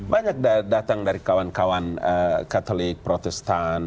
banyak datang dari kawan kawan katolik protestan